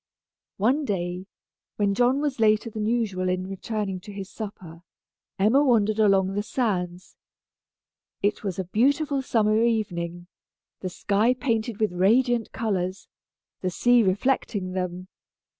One day, when John was later than usual in returning to his supper, Emma wandered along the sands. It was a beautiful summer evening, the sky painted with radiant colors, the sea reflecting them.